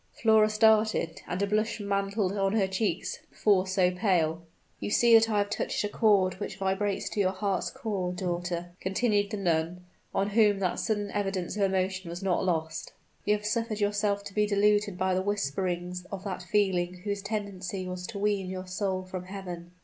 Flora started, and a blush mantled on her cheeks, before so pale! "You see that I have touched a chord which vibrates to your heart's core, daughter," continued the nun, on whom that sudden evidence of emotion was not lost. "You have suffered yourself to be deluded by the whisperings of that feeling whose tendency was to wean your soul from Heaven."